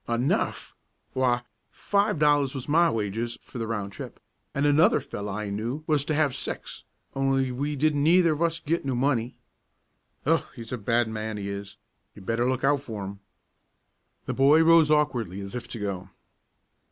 "Enough! W'y, five dollars was my wages for the roun' trip, an' another feller I knew was to have six; only we didn't neither of us git no money. Oh, he's a bad man, he is; you better look out fer 'im." The boy rose awkwardly, as if to go.